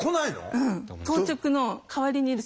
うん。